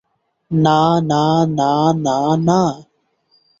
না না না না না!